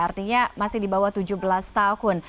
artinya masih di bawah tujuh belas tahun